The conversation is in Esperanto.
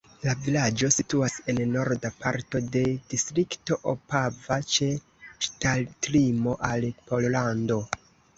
La vilaĝo situas en norda parto de distrikto Opava ĉe ŝtatlimo al Pollando.